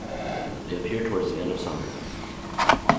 They appear towards the end of summer.